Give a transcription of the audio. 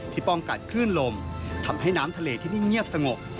ป้องกันคลื่นลมทำให้น้ำทะเลที่นี่เงียบสงบ